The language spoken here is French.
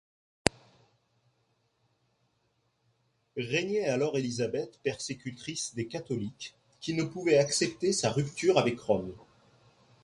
Régnait alors Élisabeth, persécutrice des catholiques qui ne pouvaient accepter sa rupture avec Rome.